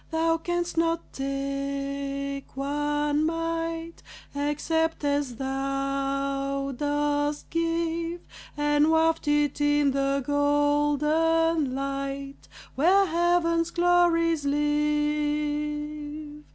Thou can'st not take one mite Except as thou dost give And waft it in the golden light Where heaven's glories live.